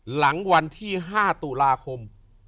หลังวันที่๕ตุลาคม